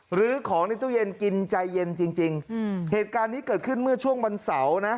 หรือของในตู้เย็นกินใจเย็นจริงจริงอืมเหตุการณ์นี้เกิดขึ้นเมื่อช่วงวันเสาร์นะ